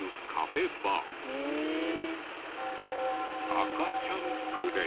赤ちゃんプレイ。